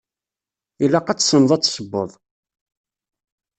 Ilaq ad tessneḍ ad tessewweḍ.